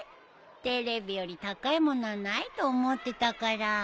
テレビより高い物はないと思ってたから。